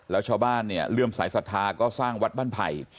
แล้วชาวบ้านเนี่ยเริ่มสายศรัทธาก็สร้างวัดบ้านไผ่